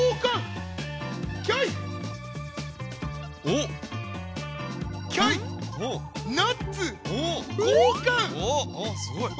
おっすごい！